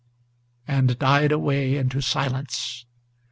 and died away into silence.